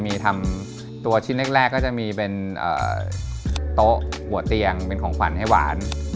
มีทำตัวชิ้นแรกก็จะมีเป็นโต๊ะหัวเตียงเป็นของขวัญให้หวาน